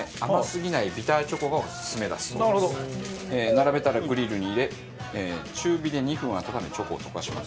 並べたらグリルに入れ中火で２分温めチョコを溶かします。